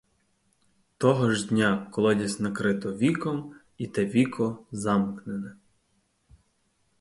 Того ж дня колодязь накрито віком і те віко замкнено.